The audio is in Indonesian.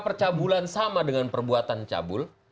percabulan sama dengan perbuatan cabul